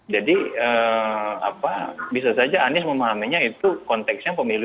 jadi bisa saja anies memahaminya itu konteksnya pemilu dua ribu sembilan belas